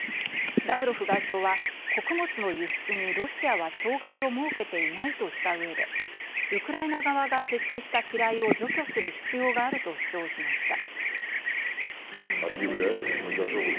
ラブロフ外相は穀物の輸出にロシアは障害を設けていないとした上で、ウクライナ側が設置した機雷を除去する必要があると主張しました。